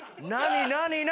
何？